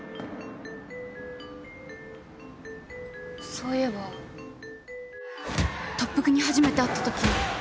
そういえば特服に初めて会ったとき。